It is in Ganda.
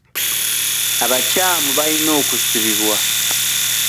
Abakyamu bayina okusibibwa.